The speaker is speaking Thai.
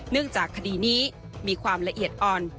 จากคดีนี้มีความละเอียดอ่อน